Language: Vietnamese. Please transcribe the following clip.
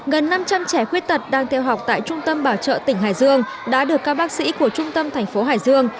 gần năm trăm linh trẻ khuyết tật đang theo học tại trung tâm bảo trợ tỉnh hải dương đã được các bác sĩ của trung tâm thành phố hải dương